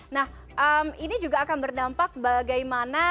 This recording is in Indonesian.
nah ini juga akan berdampak bagaimana